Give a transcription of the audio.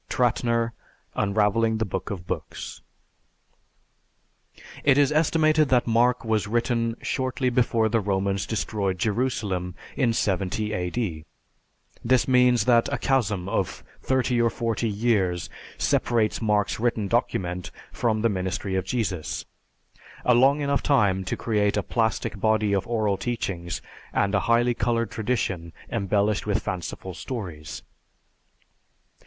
(Trattner, "Unravelling the Book of Books.") It is estimated that Mark was written shortly before the Romans destroyed Jerusalem in 70 A.D. "This means that a chasm of 30 or 40 years separates Mark's written document from the ministry of Jesus a long enough time to create a plastic body of oral teachings and a highly colored tradition embellished with fanciful stories."